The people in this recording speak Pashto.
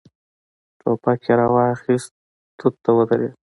ټوپک يې را واخيست، توت ته ودرېد.